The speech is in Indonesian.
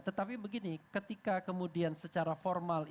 tetapi begini ketika kemudian secara formal